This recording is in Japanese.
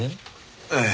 ええ。